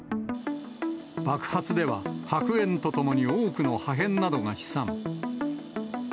爆発では、白煙とともに多くの破片などが飛散。